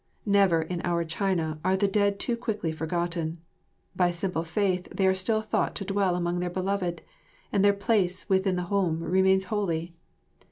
Never in our China are the dead too quickly forgotten; by simple faith they are still thought to dwell among their beloved, and their place within the home remains holy.